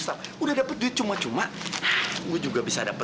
terima kasih papa